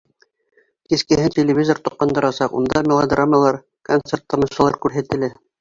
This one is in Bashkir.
Кискеһен телевизор тоҡандырасаҡ, унда мелодрамалар, концерт-тамашалар күрһәтелә.